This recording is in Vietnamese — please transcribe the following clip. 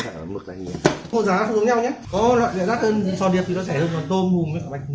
có loại rác hơn sò điệp thì nó rẻ hơn còn tôm hùm với bạch tuộc thì nó đắt hơn